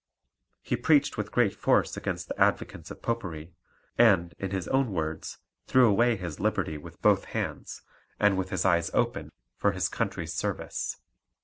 He preached with great force against the advocates of popery, and (in his own words) threw away his liberty with both hands, and with his eyes open, for his country's service.